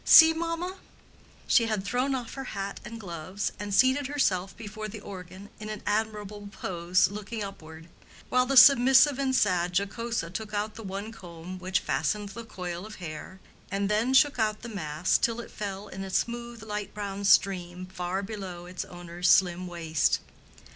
See, mamma?" She had thrown off her hat and gloves, and seated herself before the organ in an admirable pose, looking upward; while the submissive and sad Jocosa took out the one comb which fastened the coil of hair, and then shook out the mass till it fell in a smooth light brown stream far below its owner's slim waist.